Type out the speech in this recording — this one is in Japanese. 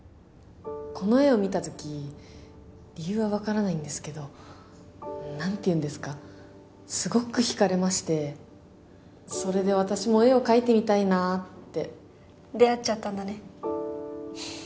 この絵を見たとき理由は分からないんですけど何ていうんですかすごく引かれましてそれで私も絵を描いてみたいなって出会っちゃったんだね